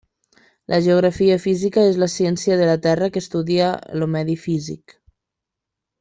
La geografia física és la ciència de la terra que estudia el medi físic.